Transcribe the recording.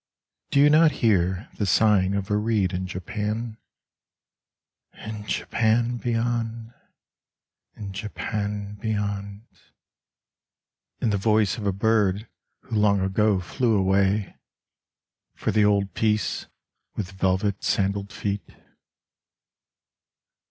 In Japan Beyond \\^ Do you not hear the sighing of a reed in Japan, i\n Japan beyond, in Japan beyond) In the voice of a bird who long ago flew away. For the old peace with velvet sandalled feet